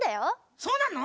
そうなの？